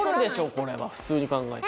これは普通に考えて。